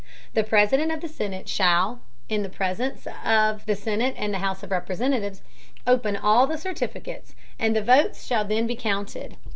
The President of the Senate shall, in the Presence of the Senate and House of Representatives, open all the Certificates, and the Votes shall then be counted.